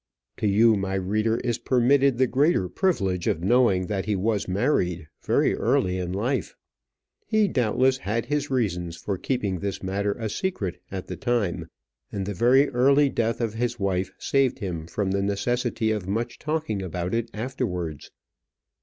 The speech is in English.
To you, my reader, is permitted the great privilege of knowing that he was married very early in life. He, doubtless, had his reasons for keeping this matter a secret at the time, and the very early death of his wife saved him from the necessity of much talking about it afterwards.